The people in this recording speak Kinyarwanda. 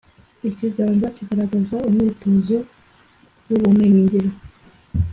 Ikiganza kigaragaza umwitozo w’ubumenyingiro